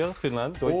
ドイツ？